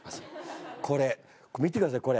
これ見てくださいこれ。